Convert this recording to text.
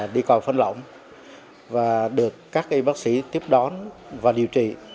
đi còn phân lỏng và được các y bác sĩ tiếp đón và điều trị